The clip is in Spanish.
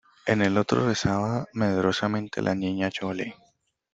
en el otro rezaba medrosamente la Niña Chole.